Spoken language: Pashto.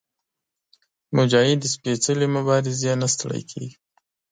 مجاهد د سپېڅلې مبارزې نه ستړی کېږي.